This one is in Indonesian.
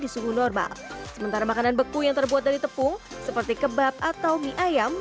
sementara makanan beku yang terbuat dari tepung seperti kebab atau mie ayam